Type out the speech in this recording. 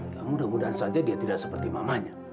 ya mudah mudahan saja dia tidak seperti mamanya